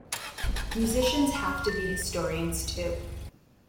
Musicians have to be historians, too.